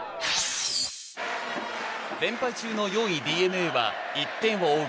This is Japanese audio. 連敗中の４位、ＤｅＮＡは１点を追う